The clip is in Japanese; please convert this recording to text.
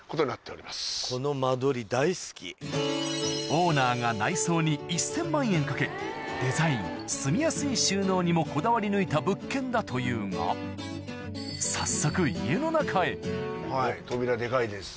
オーナーが内装に１０００万円かけデザイン住みやすい収納にもこだわり抜いた物件だというが早速扉デカいです。